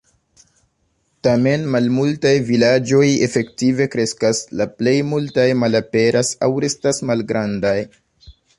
Tamen malmultaj vilaĝoj efektive kreskas, la plej multaj malaperas aŭ restas malgrandaj.